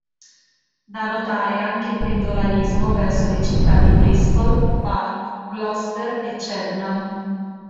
Da notare anche il pendolarismo verso le città di Bristol, Bath, Gloucester e Cheltenham.